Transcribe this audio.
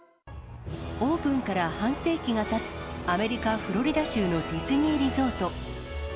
オープンから半世紀がたつアメリカ・フロリダ州のディズニーリゾート。